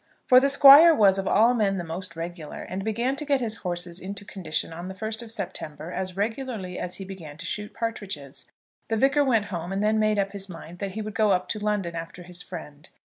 For the Squire was of all men the most regular, and began to get his horses into condition on the first of September as regularly as he began to shoot partridges. The Vicar went home and then made up his mind that he would go up to London after his friend.